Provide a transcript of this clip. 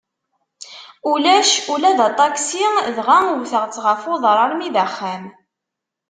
Ulac ula d aṭaksi, dɣa wteɣ-tt ɣef uḍar armi d axxam.